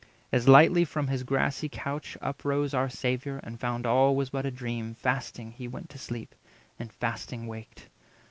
As lightly from his grassy couch up rose Our Saviour, and found all was but a dream; Fasting he went to sleep, and fasting waked.